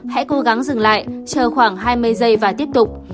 hãy cố gắng dừng lại chờ khoảng hai mươi giây và tiếp tục